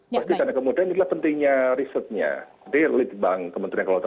terus di sana kemudian inilah pentingnya risetnya jadi relitbank kementerian keluarga